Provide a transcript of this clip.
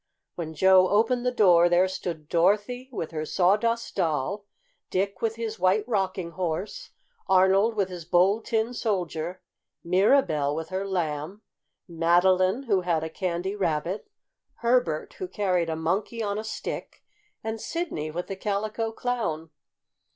When Joe opened the door there stood Dorothy with her Sawdust Doll, Dick with his White Rocking Horse, Arnold with his Bold Tin Soldier, Mirabell with her Lamb, Madeline, who had a Candy Rabbit, Herbert, who carried a Monkey on a Stick, and Sidney with the Calico Clown.